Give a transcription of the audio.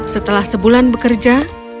setelah sebulan bekerja